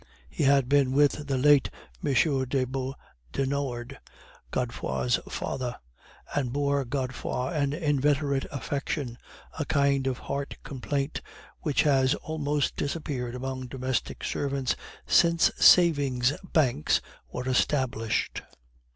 He had been with the late M. de Beaudenord, Godefroid's father, and bore Godefroid an inveterate affection, a kind of heart complaint which has almost disappeared among domestic servants since savings banks were established.